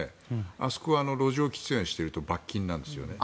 あそこは路上喫煙していると罰金なんです。